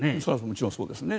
もちろんそうですね。